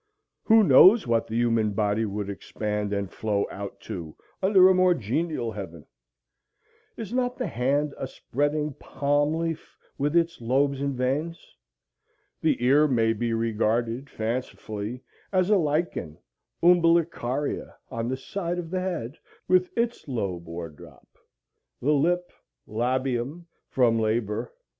Who knows what the human body would expand and flow out to under a more genial heaven? Is not the hand a spreading palm leaf with its lobes and veins? The ear may be regarded, fancifully, as a lichen, umbilicaria, on the side of the head, with its lobe or drop. The lip—labium, from labor